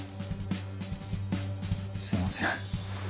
すいません。